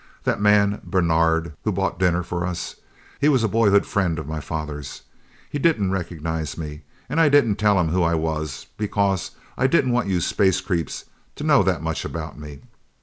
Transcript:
That man Bernard who bought dinner for us? He was a boyhood friend of my father's. He didn't recognize me, and I didn't tell him who I was because I didn't want you space creeps to know that much about me.